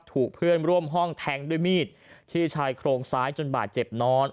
ถูกเพื่อนร่วมห้องแทงด้วยมีดที่ชายโครงซ้ายจนบาดเจ็บนอน